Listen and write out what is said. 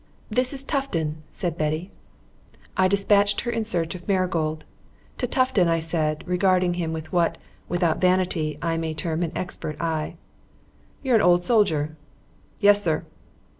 "This is Tufton," said Betty. I despatched her in search of Marigold. To Tufton I said, regarding him with what, without vanity, I may term an expert eye: "You're an old soldier." "Yes, sir."